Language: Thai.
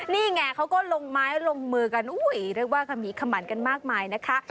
นี่ไงเขาก็ลงไม้ลงมือกันอุ้ยเรียกว่าขมีขมันกันมากมายนะคะ